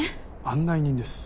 案内人です。